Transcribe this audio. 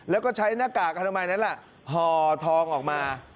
แล้วก็ใช้หน้ากากอนามัยนั้นแหละห่อทองออกมา